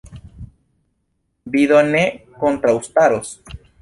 Vi do ne kontraŭstaros?